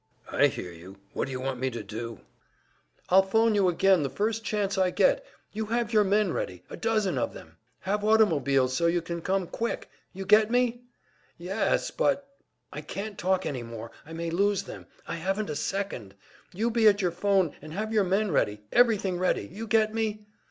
"I hear you. What do you want me to do?" "I'll phone you again the first chance I get. You have your men ready, a dozen of them! Have automobiles, so you can come quick. You get me?" "Yes, but " "I can't talk any more, I may lose them, I haven't a second! You be at your phone, and have your men ready everything ready. You get me?"